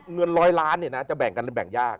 เงินร้อยล้านจะแบ่งกันแต่แบ่งยาก